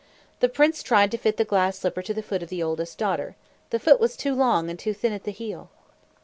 The prince tried to fit the glass slipper to the foot of the oldest daughter. The foot was too long and too thin at the heel.